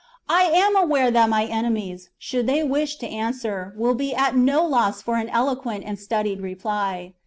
" I am aware that my enemies, should they wish to answer, will be at no loss for an eloquent and studied reply.